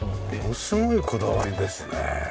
ものすごいこだわりですね。